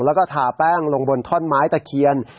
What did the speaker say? แล้วก็ทาแป้งลงบนท่อนไม้ตะเคียน